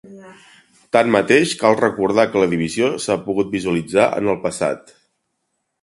Tanmateix, cal recordar que la divisió s’ha pogut visualitzar en el passat.